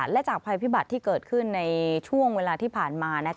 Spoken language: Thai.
และจากภัยพิบัติที่เกิดขึ้นในช่วงเวลาที่ผ่านมา